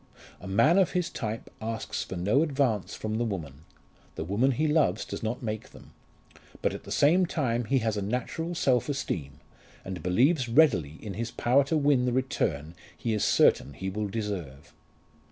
A man of his type asks for no advance from the woman; the woman he loves does not make them; but at the same time he has a natural self esteem, and believes readily in his power to win the return he is certain he will deserve.